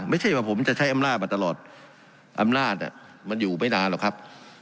ไม่ใช่ว่าผมจะใช้อำนาจมาตลอดอำนาจมันอยู่ไม่นานหรอกครับ